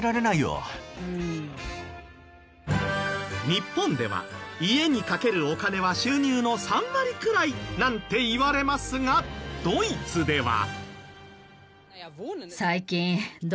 日本では家にかけるお金は収入の３割くらいなんていわれますがドイツでは。